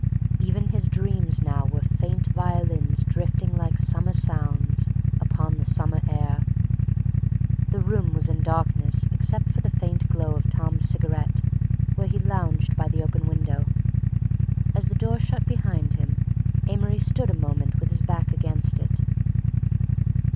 Even his dreams now were faint violins drifting like summer sounds upon the summer air. The room was in darkness except for the faint glow of Tom's cigarette where he lounged by the open window. As the door shut behind him, Amory stood a moment with his back against it.